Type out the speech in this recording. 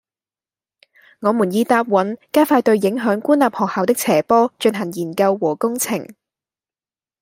我們已答允加快對影響官立學校的斜坡進行研究和工程